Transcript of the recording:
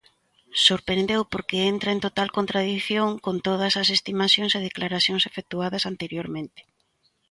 Sorprendeu porque entra en total contradición con todas as estimacións e declaracións efectuadas anteriormente.